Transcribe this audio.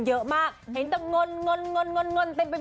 เพราะเงินมันสิ่งเยอะมากเห็นความร้อนแต่ลวนทิ้ง